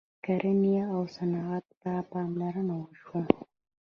کرنې او صنعت ته پاملرنه وشوه.